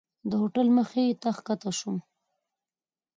د هوټل مخې ته ښکته شوم.